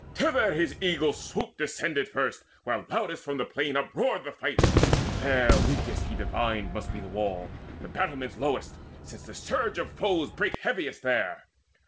Thither his eagle swoop descended first Where loudest from the plain uproared the fight, There weakest, he divined, must be the wall, The battlements lowest, since the surge of foes Brake heaviest there.